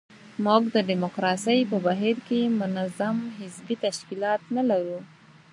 موږ د ډیموکراسۍ په بهیر کې منظم حزبي تشکیلات نه لرو.